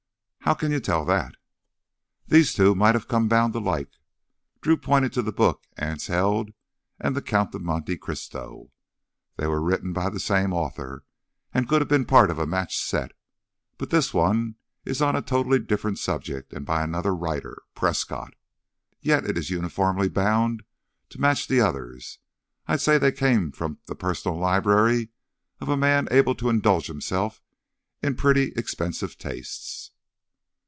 "How can you tell that?" "These two might have come bound alike." Drew pointed to the book Anse held and The Count of Monte Cristo. "They were written by the same author and could have been part of a matched set. But this one is on a totally different subject and by another writer—Prescott. Yet it is uniformly bound to match the others. I'd say they came from the personal library of a man able to indulge himself in pretty expensive tastes."